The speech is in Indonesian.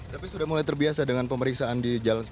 tapi sudah mulai terbiasa dengan pemeriksaan di jalan